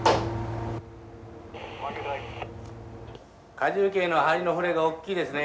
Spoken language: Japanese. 荷重計の針の振れがおっきいですね。